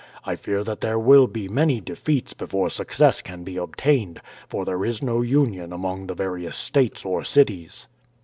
I fear that there will be many defeats before success can be obtained, for there is no union among the various states or cities.